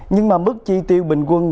nhưng mà mức chi tiêu bình quân